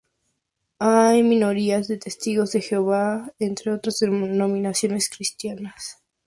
Hay minorías de testigos de Jehová, entre otras denominaciones cristianas.